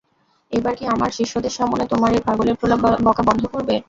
এবার কি আমার শিষ্যদের সামনে তোমার এই পাগলের প্রলাপ বকা বন্ধ করবে?